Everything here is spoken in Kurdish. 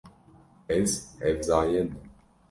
Ez hevzayend im.